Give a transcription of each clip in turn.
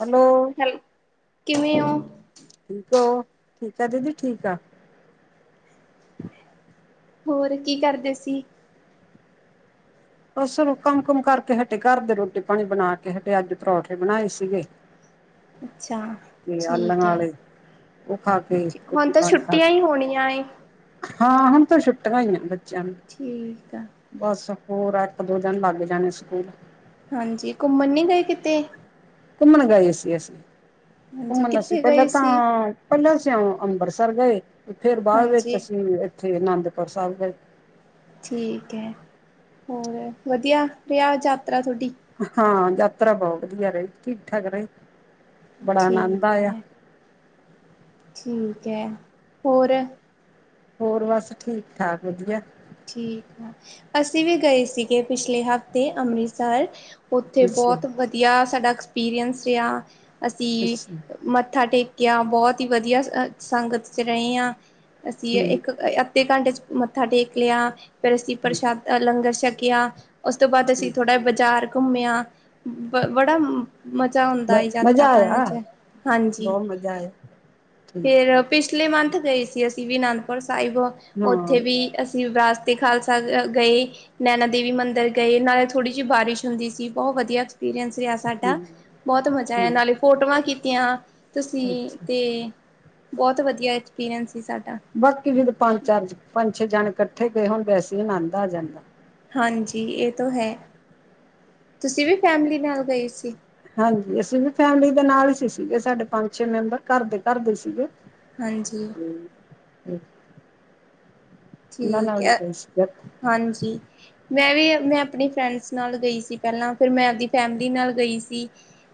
Hello ਹੈਲ ਕਿਵੇਂ ਹੋ। ਠੀਕ ਹੋ ਠੀਕ ਆ ਦੀਦੀ ਠੀਕ ਆ। ਹੋਰ ਕੀ ਕਰਦੇ ਸੀ। ਬਸੋ ਕੰਮ ਕੁਮ ਕਰਕੇ ਹਟੇ ਘਰ ਦੇ ਰੋਟੀ ਪਾਣੀ ਬਣਾ ਕੇ ਹਟੇ ਅੱਜ ਪਰੌਠੇ ਬਣਾਏ ਸੀਗੇ। ਅੱਛਾ [unintelligible] ਠੀਕ ਹੈ। ਉਹ ਖਾ ਕੇ ਹੁਣ ਰੋਟੀ ਤਾਂ ਪਾਣੀ ਖਾ ਛੁੱਟੀਆਂ ਹੀ ਹੋਣੀਆਂ ਏ। ਕੇ। ਹਾਂ ਹੁਣ ਤਾਂ ਛੁੱਟੀਆਂ ਹੀਈਆਂ ਬੱਚਿਆਂ ਨੂੰ ਠੀਕ ਆ। ਬਸ ਹੋਰ ਇੱਕ ਦੋ ਦਿਨ ਲੱਗ ਜਾਣੇ ਸਕੂਲ ਹਾਂਜੀ, ਘੁੰਮਣ ਨੀ ਗਏ ਕਿਤੇ। ਘੁੰਮਣ ਗਏ ਸੀ, ਅਸੀਂ ਹਾਂਜੀ ਘੁੰਮਣ ਅਸੀਂ ਕਿੱਥੇ ਗਏ ਪਹਿਲਾਂ ਤਾਂ ਸੀ? ਪਹਿਲਾਂ ਸੀ ਅੰਬਰਸ ਪਰ ਗਏ ਫੇਰ ਬਾਅਦ ਵਿੱਚ ਹਾਂਜੀ ਅਸੀਂ ਇੱਥੇ ਅਨੰਦਪੁਰ ਸਾਹਿਬ ਗਏ। ਠੀਕ ਹੈ ਹੋਰ ਵਧੀਆ ਰਿਹਾ ਯਾਤਰਾ ਤੁਹਾਡੀ ਹਾਂ ਯਾਤਰਾ ਬਹੁਤ ਵਧੀਆ ਰਹੀ ਠੀਕ ਠਾਕ ਰਹੀ। ਬੜਾ ਆਨੰਦ ਠੀਕ ਆਇਆ। ਹੈ। ਠੀਕ ਹੈ ਹੋਰ ਹੋਰ ਬਸ ਠੀਕ ਠਾਕ ਵਧੀਆ ਠੀਕ ਆ ਅਸੀਂ ਵੀ ਗਏ ਸੀਗੇ ਪਿਛਲੇ ਹਫ਼ਤੇ ਅੰਮ੍ਰਿਤਸਰ ਉੱਥੇ ਅੱਛਾ ਬਹੁਤ ਵਧੀਆ ਸਾਡਾ ਐਕਸਪੀਰੀਅੰਸ ਰਿਹਾ ਅਸੀਂ ਅੱਛਾ ਮੱਥਾ ਟੇਕ ਕ ਬਹੁਤ ਹੀ ਵਧੀਆ ਅ ਸੰਗਤ 'ਚ ਰਹੇ ਹਾਂ ਅਸੀਂ ਠੀਕ ਇੱਕ ਅੱਧੇ ਘੰਟੇ 'ਚ ਮੱਥਾ ਟੇਕ ਲਿਆ ਫੇਰ ਅਸੀਂ ਪ੍ਰਸ਼ਾਦ ਲੰਗਰ ਛਕਿਆ। ਉਸ ਤੋਂ ਬਾਅਦ ਅਸੀਂ ਠੀਕ ਥੋੜਾ ਬਾਜ਼ਾਰ ਘੁੰਮਿਆ। ਬ ਬੜਾ ਮਜ਼ਾ ਆਉਂਦਾ ਯਾਤਰਾ ਮਜ਼ਾ ਕਰਨ ਆਇਆ 'ਚ ਹਾਂਜੀ। ਬਹੁਤ ਮਜ਼ਾ ਆਇਆ ਠੀਕ ਫਿਰ ਪਿਛਲੇ ਮੰਥ ਗਏ ਸੀ ਅਸੀਂ ਵੀ ਅਨੰਦਪੁਰ ਸਾਹਿਬ ਹਾਂ ਉੱਥੇ ਵੀ ਅਸੀਂ ਵਿਰਾਸਤੇ ਖਾਲਸਾ ਗਏ ਨੈਨਾ ਦੇਵੀ ਮੰਦਿਰ ਗਏ ਨਾਲੇ ਥੋੜ੍ਹੀ ਜਿਹੀ ਬਾਰਿਸ਼ ਹੁੰਦੀ ਸੀ ਬਹੁਤ ਵਧੀਆ ਸ ਰਿਹਾ ਸਾਡਾ ਹਾਂ ਬਹੁਤ ਮਜ਼ਾ ਆ ਠੀਕ ਨਾਲੇ ਫੋਟੋਆਂ ਕੀਤੀਆਂ। ਤੁਸੀਂ ਅੱਛਾ ਤਾਂ ਬਹੁਤ ਵਧੀਆ ਐਕਸਪੀਰੀਅੰਸ ਸੀ ਸਾਡਾ ਬਾਕੀ ਫਿਰ ਪੰਜ ਚਾਰ ਪੰਜ ਛੇ ਜਣੇ ਇਕੱਠੇ ਗਏ ਹੁਣ ਵੈਸੇ ਆਨੰਦ ਆ ਜਾਂਦਾ। ਹਾਂਜੀ ਇਹ ਤੋਂ ਹੈ ਤੁਸੀਂ ਵੀ ਫੈਮਿਲੀ ਨਾਲ ਗਏ ਸੀ। ਹਾਂਜੀ ਅਸੀਂ ਵੀ ਫੈਮਿਲੀ ਦੇ ਨਾਲ ਹੀ ਸੀ ਸੀਗੇ ਸਾਡੇ ਪੰਜ ਛੇ ਮੈਂਬਰ ਘਰ ਦੇ ਘਰ ਦੇ ਸੀਗੇ। ਹਾਂਜੀ ਹੂੰ ਠੀਕ ਹੈ ਹਾਂਜੀ ਮੈਂ ਵੀ ਮੈਂ ਆਪਣੀ ਫਰੈਂਡਸ ਨਾਲ ਗਈ ਸੀ ਪਹਿਲਾਂ ਫਿਰ ਮੈਂ ਆਪਦੀ ਫੈਮਿਲੀ ਨਾਲ ਗਈ ਸੀ।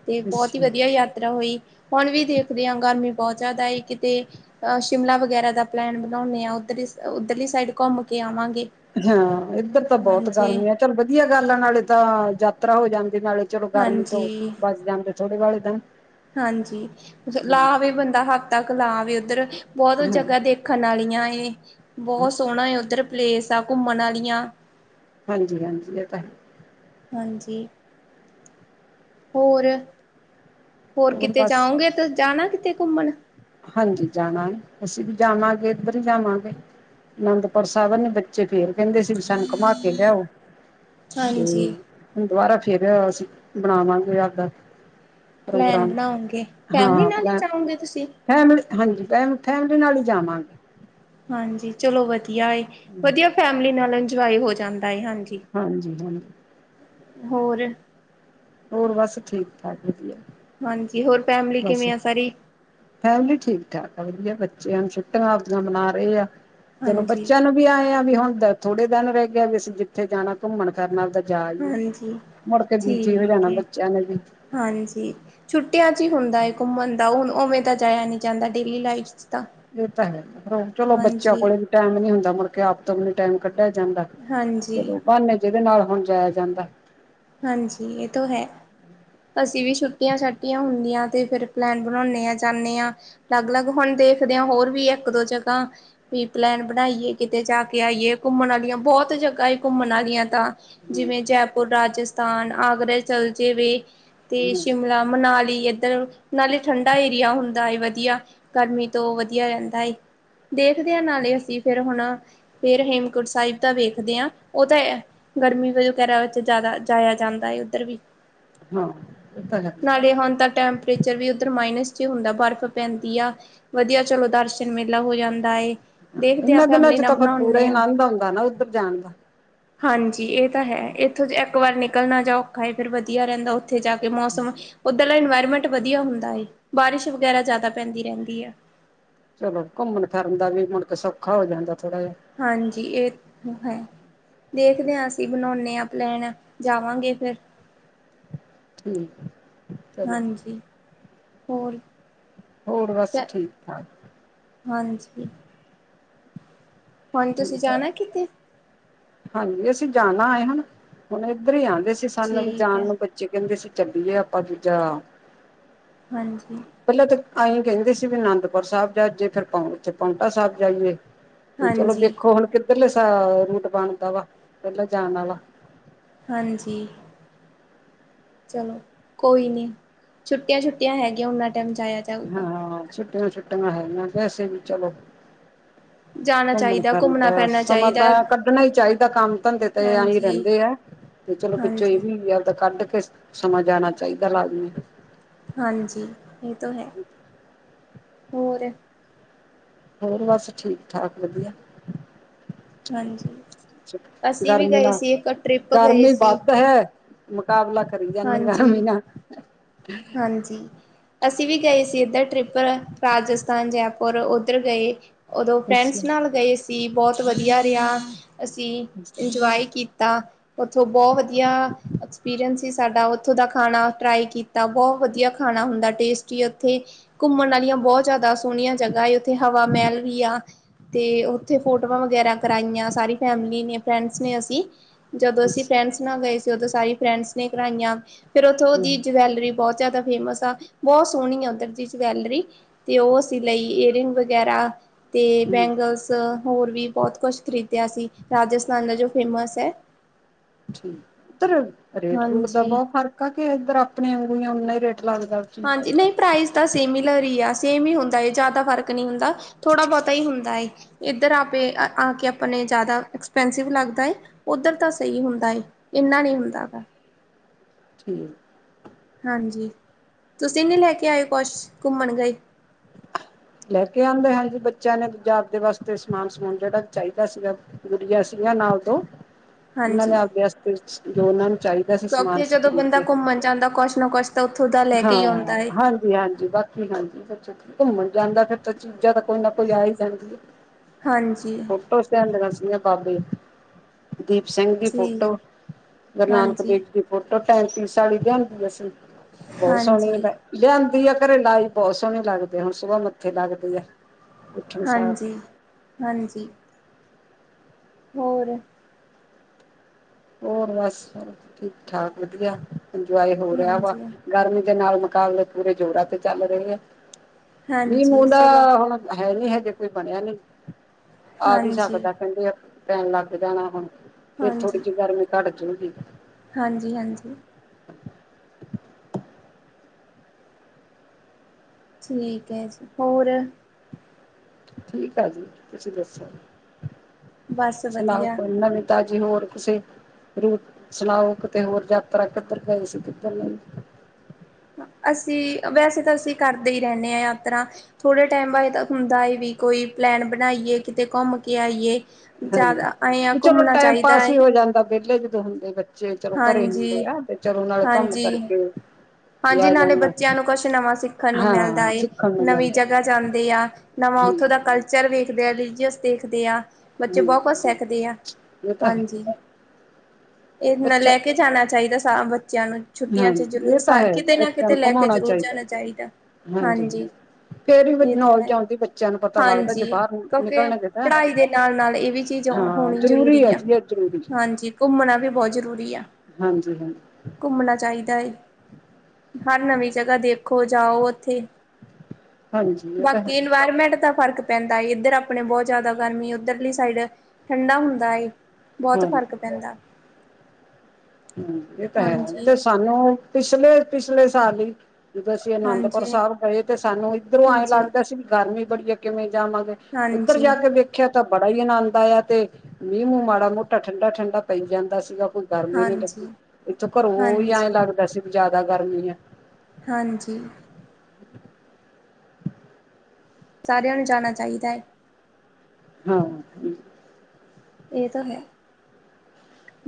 ਤੇ ਬਹੁਤ ਹੀ ਅੱਛਾ ਵਧੀਆ ਯਾਤਰਾ ਹੋਈ। ਹੁਣ ਵੀ ਦੇਖਦੇ ਹਾਂ ਗਰਮੀ ਬਹੁਤ ਜ਼ਿਆਦਾ ਕਿਤੇ ਅ ਸ਼ਿਮਲਾ ਵਗੈਰਾ ਦਾ ਪਲੈਨ ਬਣਾਉਣੇ ਆ। ਉਧ ਉੱਧਰਲੀ ਸਾਈਡ ਘੁੰਮ ਕੇ ਆਵਾਂਗੇ। ਹਾਂ ਇੱਧਰ ਤਾਂ ਬਹੁਤ ਹਾਂਜੀ, ਗਰਮੀ ਆ ਚੱਲ ਵਧੀਆ ਗੱਲ ਆ ਨਾਲੇ ਤਾਂ ਯਾਤਰਾ ਹੋ ਜਾਣ ਨਾਲੇ ਚਲੋ ਗਰਮੀ ਤੋਂ ਹਾਂਜੀ, ਬਚ ਜਾਂਦੇ ਥੋੜੇ ਵਾਲੇ ਤਾਂਨ। ਹਾਂਜੀ ਲਾਵੇ ਬੰਦਾ ਹੱਕ ਤੱਕ ਲਾਵੇ ਉੱਧਰ ਬਹੁਤ ਹਾਂ ਜਗ੍ਹਾ ਦੇਖਣ ਵਾਲੀਆਂ ਬਹੁਤ ਸੋਹਣਾ ਉੱਧਰ ਪਲੇਸ ਆ ਘੁੰਮਣ ਵਾਲੀਆਂ ਹਾਂਜੀ ਹਾਂਜੀ ਇਹ ਤਾਂ ਹਾਂਜੀ। ਹੋਰ ਹੋਰ ਕਿਤੇ ਜਾਉਗੇ ਜਾਣਾ ਕਿਤੇ ਘੁੰਮਣ? ਹਾਂਜੀ ਜਾਣਾ ਅਸੀਂ ਵੀ ਜਾਵਾਂਗੇ ਇੱਧਰ ਹੀ ਜਾਵਾਂਗੇ। ਅਨੰਦਪੁਰ ਸਾਹਿਬਨ ਨੇ ਬੱਚੇ ਫੇਰ ਕਹਿੰਦੇ ਸੀ ਵੀ ਸਾਨੂੰ ਘੁਮਾ ਕੇ ਲਿਆਓ ਤੇ ਹਾਂਜੀ ਹੁਣ ਦੁਬਾਰਾ ਫੇਰ ਅਸੀਂ ਬਣਾਵਾਂਗੇ ਆਪਦਾ ਪਲੈਨ ਪ੍ਰੋਗਰਾਮ ਬਣਾਓਗੇ ਫੈਮਲੀ ਨਾਲ ਹੀ ਜਾਓਗੇ ਤੁਸੀਂ? ਫੈਮਲੀ ਹਾਂਜੀ ਫੈ ਫੈਮਲੀ ਨਾਲ ਹੀ ਜਾਵਾਂਗੇ। ਹਾਂਜੀ ਚਲੋ ਵਧੀਆ ਏ ਵਧੀਆ ਫੈਮਲੀ ਨਾਲ ਇੰਜੋਏ ਹੋ ਜਾਂਦਾ। ਏ ਹਾਂਜੀ। ਹਾਂਜੀ ਹਾਂਜੀ। ਹੋਰ? ਹੋਰ ਬਸ ਠੀਕ ਠਾਕ ਵਧੀਆ। ਹਾਂਜੀ ਹੋਰ ਫੈਮਿਲੀ ਬਸ ਕਿਵੇਂ ਆ ਸਾਰੀ? ਫੈਮਲੀ ਠੀਕ ਠਾਕ ਵਧੀਆ ਬੱਚਿਆਂ ਨੂੰ ਛੁੱਟੀਆਂ ਆਪਦੀਆਂ ਮਨਾ ਰੇ ਆ ਚਲੋ ਹਾਂਜੀ। ਬੱਚਿਆਂ ਨੂੰ ਵੀ ਆਏ ਆ ਵੀ ਹੁਣ ਥੋੜੇ ਦਿਨ ਰਹਿ ਗਿਆ ਵੀ ਅਸੀਂ ਜਿੱਥੇ ਜਾਣਾ ਘੁੰਮਣ ਫਿਰਨ ਦਾ ਹਾਂਜੀ ਠੀਕ ਜਾਣਾ ਏ, ਬੱਚਿਆਂ ਨੇ ਵੀ। ਹਾਂਜੀ ਛੁੱਟੀਆਂ ਚ ਹੀ ਹੁੰਦਾ ਏ ਘੁੰਮਣ ਦਾ ਹੁਣ ਉਵੇਂ ਤਾਂ ਜਾਇਆ ਨੀ ਜਾਂਦਾ ਡੇਲੀ ਲਾਈਫ ਤਾਂ। ਇਹ ਤਾਂ ਹੈ ਚਲੋ ਬੱਚਿਆਂ ਹਾਂਜੀ, ਕੋਲੇ ਵੀ ਟਾਈਮ ਨੀ ਹੁੰਦਾ ਮੁੜਕੇ ਆਪ ਤੋਂ ਵੀ ਨੀ ਟਾਈਮ ਕੱ ਢ ਜਾਂਦਾ ਹਾਂਜੀ, ਚਲੋ ਬਹਾਨੇ ਜਿਹਦੇ ਨਾਲ ਹੁਣ ਜਾਇਆ ਜਾਂਦਾ। ਹਾਂਜੀ ਇਹ ਤੋਂ ਹੈ ਅਸੀਂ ਵੀ ਛੁੱਟੀਆਂ ਛਾਟੀਆਂ ਹੁੰਦੀਆਂ ਤੇ ਫਿਰ ਪਲੈਨ ਬਣਾਉਣੇ ਆਂ ਜਾਂਨੇ ਆ ਲੱਗ-ਲੱਗ ਹੁਣ ਦੇਖਦੇ ਆ ਹੋਰ ਵੀ ਇੱਕ ਦੋ ਜਗ੍ਹਾ ਵੀ ਪਲੈਨ ਬਣਾਈਏ ਕਿਤੇ ਜਾ ਕੇ ਆਈਏ ਘੁੰਮਣ ਆਲੀਆਂ ਬਹੁਤ ਜਗ੍ਹਾ ਏ ਘੁੰਮਣ ਆਲੀਆਂ ਤਾਂ। ਹੂੰ ਜਿਵੇਂ ਜੈਪੁਰ, ਰਾਜਸਥਾਨ, ਆਗਰਾ ਚਲ ਜੇਵੇ ਤੇ ਸ਼ਿਮਲਾ, ਮਨਾਲੀ ਏ ਧਰੋ ਨਾਲੇ ਠੰਡਾ ਏਰੀਆ ਹੁੰਦਾ ਏ ਵਧੀਆ ਗਰਮੀ ਤੋਂ ਵਧੀਆ ਰਹਿੰਦਾ ਏ। ਦੇਖਦੇ ਆ ਨਾਲੇ ਅਸੀਂ ਫੇਰ ਹੁਣ ਫੇਰ ਹੇਮਕੁੰਟ ਸਾਹਿਬ ਦਾ ਵੇਖਦੇ ਆ ਉਹ ਤਾਂ ਅਹ ਗਰਮੀ ਵਗੈਰਾ ਵਿੱਚ ਜਿਆਦਾ ਜਾਇਆ ਜਾਂਦਾ ਏ ਉੱਧਰ ਵੀ। ਹਾਂ ਇਹ ਤਾਂ ਹੈ। ਨਾਲੇ ਹੁਣ ਤਾਂ ਟੈਂਮਪਰੇਚਰ ਵੀ ਉੱਧਰ ਮਾਈਨਸ ਚ ਹੁੰਦਾ ਬਰਫ਼ ਪੈਂਦੀ ਆ ਵਧੀਆ ਚਲੋ ਦਰਸ਼ਨ ਮੇਲਾ ਹੋ ਜਾਂਦਾ ਏ। ਦੇਖਦੇ ਹਾਂ ਇਹਨਾਂ ਦਿਨਾਂ ਫੈਮਿਲੀ ਚ ਨਾਲ ਤਾਂ ਫਿਰ ਪੂਰਾ ਬਣਾਉਂਦੇ ਈ ਹਾਂ। ਆਨੰਦ ਆਉਂਦਾ ਨਾ ਉੱਧਰ ਜਾਣ ਦਾ। ਹਾਂਜੀ ਇਹ ਤਾਂ ਹੈ ਇੱਥੋਂ ਜੇ ਇੱਕ ਵਾਰ ਨਿਕਲਣਾ ਜਾ ਔਖਾ ਏ ਫੇਰ ਵਧੀਆ ਰਹਿੰਦਾ ਉਥੇ ਜਾ ਕੇ ਮੌਸਮ ਪਹਿਲਾਂ ਇਨਵਾਇਰਮੈਂਟ ਵਧੀਆ ਹੁੰਦਾ ਏ ਬਾਰਿਸ਼ ਵਗੈਰਾ ਜ਼ਿਆਦਾ ਪੈਂਦੀ ਰਹਿੰਦੀ ਆ। ਚਲੋ ਘੁੰਮਣ ਫਿਰਨ ਦਾ ਵੀ ਮੁੜ ਕੇ ਸੌਖਾ ਹੋ ਜਾਂਦਾ। ਥੋੜਾ ਜਿਹਾ ਹਾਂਜੀ ਇਹ ਹੈ। ਦੇਖਦੇ ਆ ਅਸੀਂ ਬਣਾਉਣੇ ਆ ਪਲੈਨ ਜਾਵਾਂਗੇ ਫਿਰ। ਹੂੰ, ਚਲੋ। ਹਾਂਜੀ ਹੋਰ ਹੋਰ ਬਸ ਠੀਕ ਠਾਕ ਹਾਂਜੀ। ਹੁਣ ਤੁਸੀਂ ਠੀਕ ਹੈ ਜਾਣਾ ਅ ਕਿਤੇ? ਹਾਂਜੀ ਅਸੀਂ ਜਾਣਾ ਏ ਹੁਣ ਏਧਰ ਈਓ ਆਣਦੇ ਸੀ ਸਾਨੂੰ ਵੀ ਠੀਕ ਜਾਣ ਹੈ ਨੂੰ ਬੱਚੇ ਕਹਿੰਦੇ ਸੀ ਛੱਡੀਏ ਆਪਾਂ ਦੂਜਾ ਹਾਂਜੀ। ਪਹਿਲਾਂ ਤਾਂ ਅਈ ਕਹਿੰਦੇ ਸੀ ਵੀ ਅਨੰਦਪੁਰ ਸਾਹਿਬ ਜਾ ਜੇ ਫਿਰ ਪਾਉਂਟਾ ਸਾਹਿਬ ਜਾਈਏ। ਚਲੋ ਹਾਂਜੀ, ਵੇਖੋ ਹੁਣ ਕਿੱਧਰਲੇ ਸਅ ਰੂਟ ਬਣਦਾ ਵਾ ਪਹਿਲਾਂ ਜਾਣ ਆਲਾ। ਹਾਂਜੀ। ਚਲੋ ਕੋਈ ਨੀ ਛੁੱਟੀਆਂ ਛੁੱਟੀਆਂ ਹੈਗੀਆਂ ਨਾਉਨਾ ਟਾਈਮ ਜਾਇਆ ਜਾਊਗਾ। ਦੋ ਛੁੱਟੀਆਂ ਹੈਗਿਆ ਵੈਸੇ ਵੀ ਚਲੋ। [inaudible] ਘੁੰਮਣ ਫਿਰਨ ਘੁੰਮਣਾ ਤਾਂ ਫਿਰਨਾ ਸਮਾਂ ਚਾਹੀਦਾ। ਤਾਂ ਕੱਢਣਾ ਈ ਚਾਈਦਾ ਕੰਮ ਧੰਦੇ ਤੇ ਆ ਈ ਹਾਂਜੀ, ਰਹਿੰਦੇ ਐ। ਤੇ ਚਲੋ ਵਿੱਚੋਂ ਇਹ ਹਾਂਜੀ, ਵੀ ਆ ਆਪਦਾ ਕੱਢ ਕੇ ਸਮਾਂ ਜਾਣਾ ਚਾਈਦਾ ਲਾਜ਼ਮੀ ਨੂੰ ਹਾਂਜੀ ਇਹ ਤਾਂ ਹੈ, ਹੋਰ? ਹੋਰ ਬਸ ਠੀਕ ਠਾਕ ਵਧੀਆ। ਹਾਂਜੀ। ਅਸੀਂ ਵੀ ਗਰਮੀ ਗਏ ਨਾ, ਸੀ ਇੱਕ ਟ੍ਰਿਪ ਗਏ ਗਰਮੀ ਸੀ ਵੱਧ ਹੈ। ਮੁਕਾਬਲਾ ਕਰੀ ਜਾਂਨੇ ਹਾਂਜੀ। ਗਰਮੀ ਨਾਅ। ਹਾਂਜੀ। ਅਸੀਂ ਵੀ ਗਏ ਸੀ ਏਧਰ ਟ੍ਰਿਪ ਰਾਜਸਥਾਨ ਜੈਪੁਰ ਉੱਧਰ ਗਏ। ਉਦੋਂ ਫਰੈਂਡਸ ਅੱਛਾ ਨਾਲ ਗਏ ਸੀ ਬੋਅਤ ਵਧੀਆ ਰਿਹਾ ਅਸੀਂ ਅੱਛਾ ਇੰਜੋਏ ਕੀਤ ਤਾ‌ ਉਥੋਂ ਬਹੁਤ ਵਧੀਆ ਐਕਸਪੀਰੀਅੰਸ ਸੀ ਸਾਡਾ ਉੱਥੋਂ ਦਾ ਖਾਣਾ ਟ੍ਰਾਏ ਕੀ ਤਾ ਬੋਹਅ ਵਧੀਆ ਖਾਣਾ ਹੁੰਦਾ ਟੇਸਟੀ ਉੱਥੇ ਘੁੰਮਣ ਆਲੀਆਂ ਬਹੁਤ ਜਿਆਦਾ ਸੋਹਣੀਆਂ ਜਗ੍ਹਾ ਏ ਉੱਥੇ ਹਵ ਵਾ ਮਹਿਲ ਵੀ ਆ। ਤੇ ਉੱਥੇ ਫੋਟੋਆਂ ਵਗੈਰਾ ਕਰਾਈਆਂ ਸਾਰੀ ਫੈਮਿਲੀ ਨੇ ਫਰੈਂਡਸ ਨੇ ਅਸੀਂ ਜਦੋਂ ਅਸੀਂ ਅੱਛਾ ਫਰੈਂਡਸ ਨਾਲ ਗਏ ਸੀ ਉਦੋਂ ਸਾਰੀ ਫਰੈਂਡਸ ਨੇ ਕਰਾਈਆਂ ਫੇਰ ਉੱਥੋਂ ਉਹਦੀ ਹੂੰ-ਹੂੰ ਜਵੈਲ ਬਹੁਤ ਜ਼ਿਆਦਾ ਫੇਮਸ ਆ ਬਹੁਤ ਸੋਹਣੀ ਆ ਉੱਧਰ ਦੀ ਜੈਲਰੀ ਤੇ ਉਹ ਸੀ ਲਈ ਏਅਰਿੰਗ ਵਗੈਰਾ ਤੇ ਬੈਂਗਲਸ ਹੋਰ ਵੀ ਬਹੁਤ ਕੁਛ ਖਰੀਦਿਆ ਸੀ ਰਾਜਸਥਾਨ ਦਾ ਜੋ ਫੇਮਸ ਹੈ। ਠੀਕ ਉਧਰ ਰੇਟ ਰੂਟ ਦਾ ਹਾਂਜੀ। ਬਹੁਤ ਫ਼ਰਕ ਆ ਕੇ ਇੱਧਰ ਆਪਣੇ ਉਂਗੂੀਆਂ ਉਨਾ ਹੀ ਰੇਟ ਲੱਗਦਾ ਠੀਕ ਹਾਂਜੀ ਨਹੀਂ ਪ੍ਰਾਈਜ਼ ਤਾਂ ਸੇਮੀਿਲਰ ਹੀ ਆ। ਸੇਮ ਹੀ ਹੁੰਦਾ ਏ ਜ਼ਿਆਦਾ ਫਰਕ ਨਹੀਂ ਹੁੰਦਾ ਥੋੜਾ ਬਹੁਤਾ ਹੀ ਹੁੰਦਾ ਏ ਇੱਧਰ ਆਪੇ ਆ ਕੇ ਆਪਣੇ ਜ਼ਿਆਦਾ ਐਕਸਪੈਂਸਿਵ ਲੱਗਦਾ ਹੈਏ ਉੱਧਰ ਤਾਂ ਸਹੀ ਹੁੰਦਾ ਹੈ ਇੰਨਾ ਨਹੀਂ ਹੁੰਦਾ ਗਾ। ਠੀਕ ਹਾਂਜੀ ਤੁਸੀਂ ਨਹੀਂ ਲੈ ਕੇ ਆਇ ਕੁਛ ਘੁੰਮਣ ਗਏ। ਲੈ ਕੇ ਆਉਂਦੇ ਹਾਂ ਜੀ ਬੱਚਿਆਂ ਨੇ ਜਾ ਆਪਦੇ ਵਾਸਤੇ ਸਮਾਨ ਸਮਾਨ ਜਿਹੜਾ ਚਾਹੀਦਾ ਸੀਗਾ ਗੁੜੀਆ ਸੀ। ਨਾਲ ਦੋ ਉਹਨਾਂ ਹਾਂਜੀ ਨੇ ਅਗਸਤ ਵਿੱਚ ਦੋਨਾਂ ਨੂੰ ਚਾਹੀਦਾ ਸੀ ਸਮਾਨ ਕਿਉਂਕਿ ਜਦੋਂ ਸਰੀ ਬੰਦਾ ਕੇ ਘੁੰਮਣ ਜਾਂਦਾ ਕੁਛ ਨਾ ਕੁਛ ਤਾਂ ਉੱਥੋਂ ਦਾ ਲੈ ਕੇ ਹਾਂ ਹੀ ਆਉਂਦਾ ਹੈ ਹਾਂਜੀ ਹਾਂਜੀ ਬਸ ਸੀ ਹਾਂਜੀ ਹਾਜੀ ਬੱਚੇ ਠੀਕ ਨ ਫਿਰ ਤਾਂ ਚੀਜ਼ਾਂ ਦਾ ਕੋਈ ਨਾ ਕੋਈ ਆ ਹੀ ਜਾਂਦੀ ਹਾਂਜੀ ਫੋਟੋ ਸੈਂਡ ਕਰਨਾ ਸੀ ਬੰਬੇ ਦੀਪ ਸਿੰਘ ਦੀ ਫੋਟੋ ਜੀ ਗੁਰੂ ਨਾਨਕ ਹਾਂਜੀ ਦੇਵ ਦੀ ਫੋਟੋ ਟੈਂਤੀਸ [unintelligible] ਲਿਆਂਦੀਆ ਸੀ ਬਹੁਤ ਸੋਹਣੀ ਹਾਂਜੀ ਲਿਆਂਦੀ ਆ ਘਰੇ ਲਈ ਬਹੁਤ ਸੋਹਣੇ ਲੱਗਦੇ ਹੁਣ ਸੁਬਾਹ ਮ ਮੱਥੇ ਲੱਗਦੀ ਆ। ਉੱਠਣ ਸਾਰ ਹਾਂਜੀ ਹਾਂਜੀ ਹੋਰ ਹੋਰ ਬਸ ਠੀਕ ਠਾਕ ਵਧੀਆ ਇੰਜੋਏ ਹੋ ਰਿਹਾ ਵਾ ਹਾਂਜੀ ਗਰਮੀ ਦੇ ਨਾਲ ਮੁਕਾਬਲੇ ਪੂਰੇ ਜ਼ੋਰਾਂ ਤੇ ਚੱਲ ਰਹੇ ਆ ਵੀ ਮੂੰਹ ਹਾਂਜੀ [unintelligible] ਚਲੋ ਦਾ ਹੁਣ ਹੈ ਨੀ ਹਜੇ ਕੋਈ ਬਣਿਆ ਨੀ ਆ ਵੀ ਹਾਂਜੀ ਸਕਦਾ ਕਹਿੰਦੇ ਪੈਣ ਲੱਗ ਜਾਣਾ ਹੁਣ ਫਿਰ ਥੋੜ੍ਹੀ ਹਾਂਜੀ। ਜਿਹੀ ਗਰਮੀ ਘੱਟ ਜਾਊਗੀ। ਹਾਂਜੀ ਹਾਂਜੀ [inaudible] ਠੀਕ ਹੈ ਜੀ ਹੋਰ ਠੀਕ ਆ ਜੀ ਤੁਸੀਂ ਦੱਸੋ। ਬਸ ਵਧੀਆ ਤਾਜੀ ਹੋਰ ਕਿਸੇ ਰੂਟ ਸੁਣਾਓ ਕਿਤੇ ਹੋਰ ਯਾਤਰਾ ਕਿੱਧਰ ਗਏ ਸੀ ਕਿੱਧਰ ਨਈ [inaudible] ਅਸੀਂ ਵੈਸੇ ਤਾਂ ਅਸੀਂ ਕਰਦੇ ਹੀ ਰਹਿੰਨੇ ਆ ਯਾਤਰਾ ਥੋੜੇ ਟਾਈਮ ਬਾਅਦ ਹੁੰਦਾ ਏ ਵੀ ਕੋਈ ਪਲੈਨ ਬਣਾਈਏ ਕਿਤੇ ਘੁੰਮ ਕੇ ਆਈਏ। ਹਾਂਜੀ, ਜ਼ਿਆਦਾ ਐ ਆ ਵੀ ਚਲੋ ਘੁੰਮਣਾ ਟਾਈਮ ਚਾਹੀਦਾ ਪਾਸ ਹੈ ਵੀ ਹੋ ਜਾਂਦਾ ਵਿਹਲੇ ਜਦੋਂ ਹੁੰਦੇ ਬੱਚੇ। ਜੇ ਚਲੋ ਘਰੇ ਹਾਂਜੀ ਹੁੰਦੇ ਆ ਤੇ ਚਲੋ ਨਾਲੇ ਹਾਂਜੀ ਘੁੰਮ-ਫਿਰ ਕੇ ਹਾਂਜੀ ਨਾਲੇ ਬੱਚਿਆਂ ਨੂੰ ਕੁਛ ਨਵਾਂ ਸਿੱਖਣ ਨੂੰ ਮਿਲਦਾ ਹਾਂ ਏ ਸਿੱਖਣ ਨੂੰ ਨਵੀਂ ਮਿਲਦਾ ਜਗ੍ਹਾ ਜਾਂਦੇ ਆ ਨਵਾਂ ਉੱਥੋਂ ਹਾਂਜੀ ਦਾ ਕਲਚਰ ਵੇਖਦੇ ਆ ਰਿਲੀਜੀਅਸ ਦੇਖਦੇ ਆ ਬੱਚੇ ਹਮ ਬਹੁਤ ਕੁਛ ਸਿੱਖਦੇ ਆ, ਇਹ ਤਾਂ ਹੈ ਹਾਂਜੀ। ਇਹ ਨਾ ਬੱਚਾ ਲੈ ਕੇ ਜਾਣਾ ਚਾਹੀਦਾ ਸਾ ਬ ਬੱਚਿਆਂ ਨੂੰ ਛੁੱਟੀਆਂ ਹਾਂ 'ਚ ਜ਼ਰੂਰ ਇਹ ਤਾਂ ਸ ਹੈ ਕਿਤੇ ਨਾ ਬੱਚਿਆਂ ਕਿਤੇ ਨੂੰ ਲੈ ਕੇ ਘੁਮਾਉਣਾ ਜ਼ਰੂਰ ਚਾਹੀਦਾ ਜਾਣਾ ਚਾਹੀਦਾ ਹਾਂਜੀ। ਫੇਰ ਹੀ ਇਹ ਤਾਂ ਨੌਲੇਜ ਹੈ, ਆਉਂਦੀ ਬੱਚਿਆਂ ਨੂੰ ਪਤਾ ਲੱਗਦਾ ਜੇ ਹਾਂਜੀ ਬਾਹਰ ਕਿਉਂਕਿ ਨਿਕਲਣਗੇ ਤਾਂ ਪੜ੍ਹਾਈ ਦੇ ਨਾਲ-ਨਾਲ ਇਹ ਵੀ ਚੀਜ਼ ਹਾਂ ਹੋਣੀ ਜ਼ਰੂਰੀ ਹੈ ਆ। ਜੀ ਇਹ ਜ਼ਰੂਰੀ ਹਾਂਜੀ ਘੁੰਮਣਾ ਵੀ ਬਹੁਤ ਜ਼ਰੂਰੀ ਜਰੂਰੀ ਆ ਹਾਂਜੀ ਹਾਂਜੀ ਘੁੰਮਣਾ ਚਾਹੀਦਾ ਏ। ਹਰ ਨਵੀਂ ਜਗ੍ਹਾ ਦੇਖੋ, ਜਾਓ ਉੱਥੇ। ਹਾਂਜੀ ਇਹ ਤਾਂ ਬਾਕੀ ਹੈ ਇਨਵਾਇਰਮੈਂਟ ਤਾਂ ਫ਼ਰਕ ਪੈਂਦਾ ਏ ਇੱਧਰ ਆਪਣੇ ਬਹੁਤ ਜ਼ਿਆਦਾ ਗਰਮੀ ਉੱਧਰਲੀ ਸਾਈਡ ਠੰਡਾ ਹੁੰਦਾ ਏ। ਬਹੁਤ ਫ਼ਰਕ ਪੈਂਦਾ। ਹੂੰ, ਏ ਤਾਂ ਹੈ, ਹਾਂਜੀ। ਤੇ ਸਾਨੂੰ ਪਿਛਲੇ ਪਿਛਲੇ ਸਾਲ ਹੀ ਜਦੋਂ ਅਸੀਂ ਅਨੰਦਪੁਰ ਹਾਂਜੀ, ਸਾਬ ਗਏ, ਤੇ ਸਾਨੂੰ ਇੱਧਰੋਂ ਆਏਂ ਹਾਂਜੀ, ਲੱਗਦਾ ਸੀ ਵੀ ਗਰਮੀ ਬੜੀ ਆ ਕਿਵੇਂ ਜਾਵਾਂਗੇ ਉੱਧਰ ਹਾਂਜੀ, ਜਾ ਕੇ ਵੇਖਿਆ ਤਾਂ ਬੜਾ ਹੀ ਆਨੰਦ ਆਇਆ ਤੇ ਮੀਂਹ-ਮੂੰਹ ਮਾੜਾ-ਮੋਟਾ ਠੰਡਾ-ਠੰਡਾ ਪਈ ਜਾਂਦਾ ਸੀਗਾ, ਕੋਈ ਗਰਮੀ ਨੀ ਲਗੀ। ਹਾਂਜੀ। ਇੱਥੋਂ ਘਰੋਂ ਈ ਆਏਂ ਹਾਂਜੀ, ਲੱਗਦਾ ਸੀ ਬੀ ਜਿਆਦਾ ਗਰਮੀ ਆ। ਹਾਂਜੀ। ਸਾਰਿਆਂ ਨੂੰ ਜਾਣਾ ਚਾਹੀਦੈ। ਹਾਂ, ਹੂੰ। ਇਹ ਤਾਂ ਹੈ।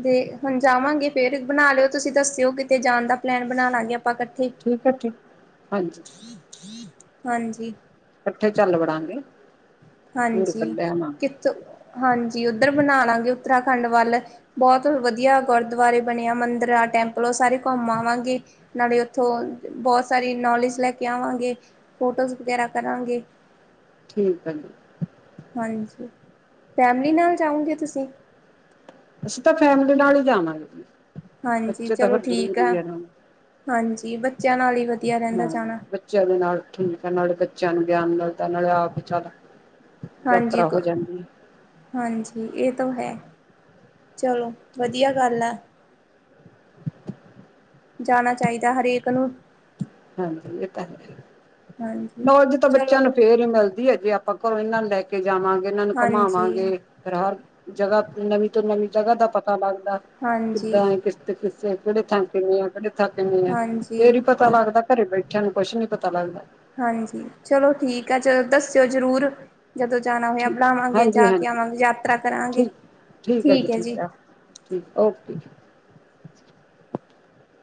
ਤੇ ਹੁਣ ਜਾਵਾਂਗੇ ਫੇਰ ਬਣਾ ਲਿਓ ਤੁਸੀਂ ਦੱਸਿਓ ਕਿਤੇ ਜਾਣ ਦਾ ਪਲੈਨ ਬਣਾਲਾਂਗੇ ਆਪਾਂ। ਇਕੱਠੇ ਠੀਕ ਹੈ ਠੀਕ, ਹਾਂਜੀ। ਹਾਂਜੀ। ਕੱਠੇ ਚੱਲ ਵੜਾਂਗੇ। ਟੂਰ ਹਾਂਜੀ, ਕੱਢਿਆਵਾਂਗੇ ਕਿੱਥੋਂ ਹਾਂਜੀ, ਉੱਧਰ ਬਣਾ ਲਾਂਗੇ ਉੱਤਰਾਖੰਡ ਵੱਲ ਬਹੁਤ ਵਧੀਆ ਗੁਰਦੁਆਰੇ ਬਣੇ ਆ ਮੰਦਰ ਟੈਂਪਲ ਉਹ ਸਾਰੇ ਘੁੰਮ ਆਵਾਂਗੇ, ਨਾਲੇ ਉਥੋਂ ਬਹੁਤ ਸਾਰੀ ਨੌਲੇਜ ਲੈ ਕੇ ਆਵਾਂਗੇ। ਫੋਟੋਸ ਵਗੈਰਾ ਕਰਾਂਗੇ। ਠੀਕ ਆ ਜੀ। ਹਾਂਜੀ, ਫੈਮਲੀ ਨਾਲ ਜਾਓਗੇ ਤੁਸੀਂ? ਅਸੀਂ ਤਾਂ ਫੈਮਲੀ ਨਾਲ ਹੀ ਜਾਣਾ ਏ ਜੀ, ਹਾਂਜੀ ਬੱਚੇ ਤਾਂ ਚਲੋ ਫੇਰ ਠੀਕ ਆ ਜਰੂਰੀ ਹੈ ਨਾ। ਹਾਂਜੀ ਬੱਚਿਆਂ ਨਾਲ ਹੀ ਵਧੀਆ ਰਹਿੰਦਾ ਹਾਂ, ਜਾਣਾ ਬੱਚਿਆਂ ਦੇ ਨਾਲ ਠੀਕ ਹੈ ਨਾਲੇ ਬੱਚਿਆਂ ਨੂੰ ਗਿਆਨ ਨਾਲ ਤਾਂ ਨਾਲੇ ਆਪ ਚਲ ਹਾਂਜੀ, ਕ ਹਾਂਜੀ ਇਹ ਤੋਂ ਹੈ। ਚਲੋ, ਵਧੀਆ ਗੱਲ ਆ। ਜਾਣਾ ਚਾਈਦਾ ਹਰੇਕ ਨੂੰ। ਹਾਂਜੀ, ਏ ਤਾਂ ਹੈ। ਹਾਂਜੀ ਮੌਜ ਤਾਂ ਬੱਚਿਆਂ ਚਲੋ ਨੂੰ ਫੇਰ ਹੀ ਮਿਲਦੀ ਏ ਜੇ ਆਪਾਂ ਆਪਾਂ ਘਰੋਂ ਇਹਨਾਂ ਨੋ ਲੈ ਕੇ ਜਾਵਾਂਗੇ, ਇਨਾਂ ਨੂੰ ਹਾਂਜੀ ਘੁੰਮਾਵਾਂਗੇ, ਫਿਰ ਹਰ ਜਗ੍ਹਾ ਨਵੀਂ ਤੋਂ ਨਵੀਂ ਜਗ੍ਹਾ ਦਾ ਪਤਾ ਲੱਗਦਾ, ਹਾਂਜੀ ਕਿੱਦਾਂ ਏ ਕਿਸ ਤੇ ਕਿਸ ਤੇ ਕਿਹੜੇ ਥਾਂ ਕਿਵੇਂ ਆ, ਕਿਹੜੇ ਥਾਂ ਕਿਵੇਂ ਆ ਫੇਰ ਹਾਂਜੀ ਈ ਪਤਾ ਲੱਗਦਾ ਘਰੇ ਬੈਠਿਆਂ ਨੂੰ ਕੁੱਛ ਨੀ ਪਤਾ ਲੱਗਦਾ। ਹਾਂਜੀ, ਚਲੋ ਠੀਕ ਆ ਚਲੋ ਦੱਸਿਓ ਜ਼ਰੂਰ। ਜਦੋਂ ਜਾਣਾ ਹੋਇਆ ਠੀਕ ਬਲਾਵਾਂਗੇ ਹਾਂਜੀ ਜਾ ਕੇ ਹਾਂਜੀ ਆਵਾਂਗੇ ਯਾਤਰਾ ਕਰਾਂਗੇ, ਠੀਕ ਹੈ ਜੀ। ਠੀਕ, ਓਕੇ।